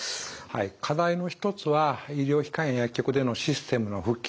課題の一つは医療機関や薬局でのシステムの普及です。